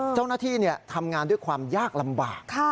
เจ้าหน้าที่ทำงานด้วยความยากลำบาก